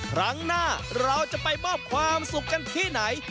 ครั้งหน้าเราจะไปมอบความสุขกันที่ไหน